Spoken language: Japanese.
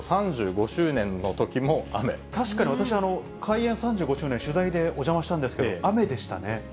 確かに私、開園３５周年、取材でお邪魔したんですけれども、雨でしたね。